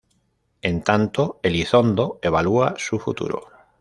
En tanto, Elizondo evalúa su futuro.